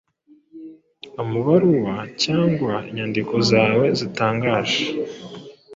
amabaruwa cyangwa inyandiko zawe zitangaje